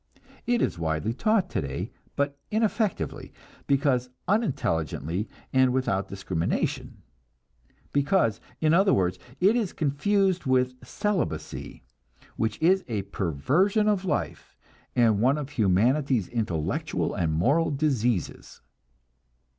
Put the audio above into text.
It is widely taught today, but ineffectively, because unintelligently and without discrimination; because, in other words, it is confused with celibacy, which is a perversion of life, and one of humanity's intellectual and moral diseases.